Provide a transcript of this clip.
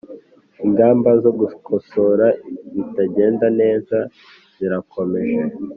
ingamba zo gukosora ibitagenda neza zirakomeje